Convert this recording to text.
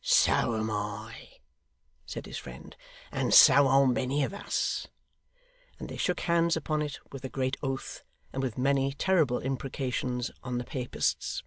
'So am I,' said his friend, 'and so are many of us; and they shook hands upon it with a great oath, and with many terrible imprecations on the Papists.